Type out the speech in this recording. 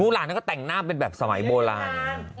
มูลหลานก็แต่งหน้าเป็นแบบสมัยโบราณ